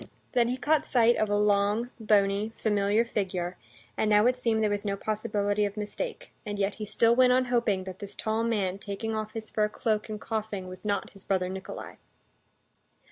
Then he caught sight of a long, bony, familiar figure, and now it seemed there was no possibility of mistake; and yet he still went on hoping that this tall man taking off his fur cloak and coughing was not his brother Nikolay.